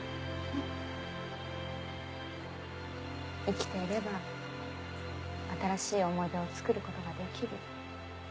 生きていれば新しい思い出をつくることができる。